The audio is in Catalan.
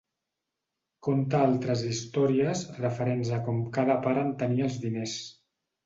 Conta altres històries referents a com cada pare entenia els diners.